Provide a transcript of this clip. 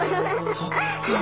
そっか。